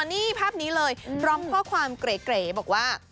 นี่ภาพนี้เลยพร้อมข้อความเกรบอกว่า